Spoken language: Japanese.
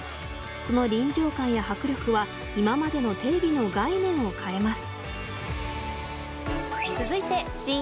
その臨場感や迫力は今までのテレビの概念を変えます。